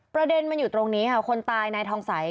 ประเด็นมันอยู่ตรงนี้ค่ะคนตายนายทองสัย